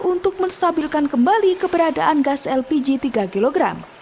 untuk menstabilkan kembali keberadaan gas lpg tiga kg